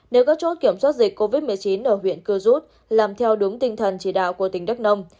nếu các chốt kiểm soát dịch covid một mươi chín ở huyện cơ rút làm theo đúng tinh thần chỉ đạo của tỉnh đắk nông